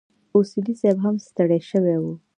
اصولي صیب هم ستړی شوی و.